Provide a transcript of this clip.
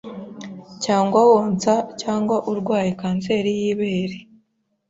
cyangwa wonsa cyangwa se urwaye kanseri y’ibere